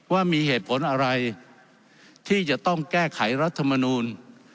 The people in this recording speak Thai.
ว่ามีเหตุผลอะไรที่จะต้องแก้ไขรัฐมนูล